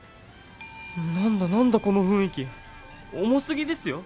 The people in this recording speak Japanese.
何だ何だこの雰囲気重すぎですよ